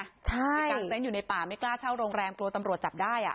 มีการเต้นอยู่ในป่าไม่กล้าเช่าโรงแรมกลัวตำรวจจับได้